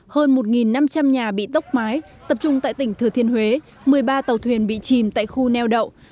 hơn một năm trăm linh nhà bị tốc mái tập trung tại tỉnh thừa thiên huế một mươi ba tàu thuyền bị chìm tại khu neo đậu